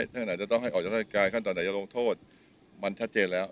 ท่านไหนจะต้องให้ออกจากราชการขั้นตอนไหนจะลงโทษมันชัดเจนแล้ว